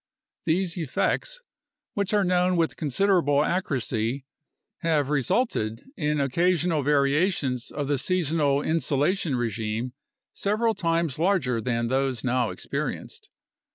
These effects, which are known with considerable accuracy, have resulted in occasional variations of the seasonal insolation regime several times larger than those now experienced.